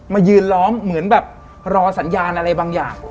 มายืนล้อมเหมือนแบบรอสัญญาณอะไรบางอย่าง